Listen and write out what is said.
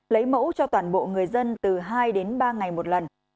lấy mẫu cho toàn bộ người dân từ hai đến ba ngày một lần